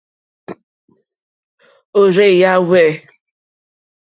Òrzèèyá hwɛ̂.